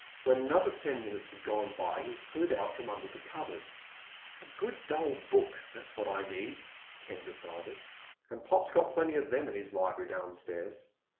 When another ten minutes had gone by he slid out from under the covers. "A good dull book—that's what I need," Ken decided. "And Pop's got plenty of them in his library downstairs."